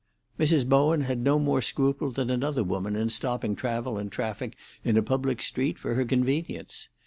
Mrs. Bowen had no more scruple than another woman in stopping travel and traffic in a public street for her convenience.